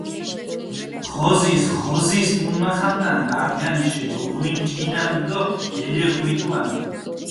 ღოზის, ღოზის მუნმახანტანდჷ, ართგანიშე ოხვინჯგინანდჷ დო ელეღვიტუანდჷ.